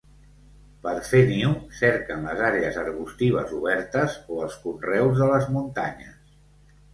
Per fer niu cerquen les àrees arbustives obertes o els conreus de les muntanyes.